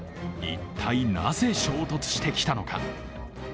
一体、なぜ衝突してきたのか？